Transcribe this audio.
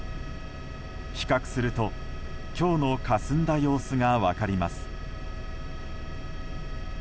比較すると今日のかすんだ様子が分かります。